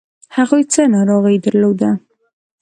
هغوی څه ناروغي درلوده؟